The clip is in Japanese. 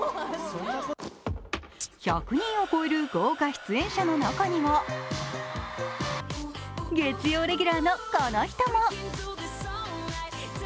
１００人を超える豪華出演者の中には月曜レギュラーのこの人も！